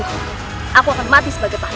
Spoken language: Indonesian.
kamu disuruh langgar kebutuhan